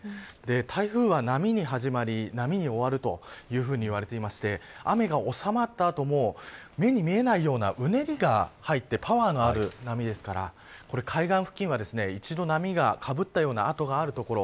台風は、波に始まり波に終わるというふうに言われていまして雨が収まった後も目に見えないようなうねりが入ってパワーのある波ですから海岸付近は一度、波がかぶったような跡がある所。